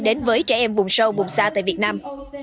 đến với trẻ em bùng sâu bùng xa tại việt nam